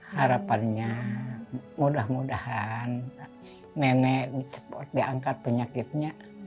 harapannya mudah mudahan nenek diangkat penyakitnya